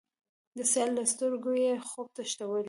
د سیال له سترګو یې، خوب تښتولی